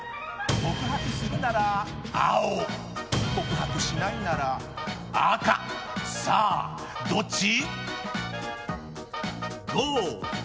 告白するなら青告白しないなら赤さあ、どっち？